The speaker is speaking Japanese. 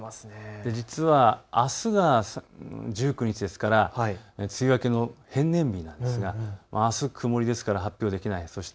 実はあすが１９日ですから梅雨明けの平年日になるんですがあす曇りですから発表できない。